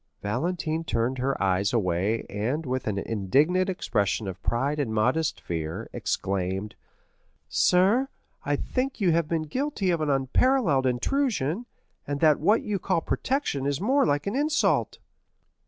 Valentine turned her eyes away, and, with an indignant expression of pride and modest fear, exclaimed: "Sir, I think you have been guilty of an unparalleled intrusion, and that what you call protection is more like an insult."